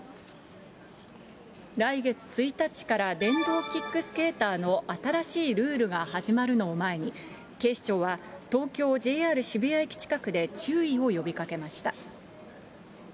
来月１日から電動キックスケーターの新しいルールが始まるのを前に、警視庁は東京・ＪＲ渋谷駅近くで注意を呼びかけました。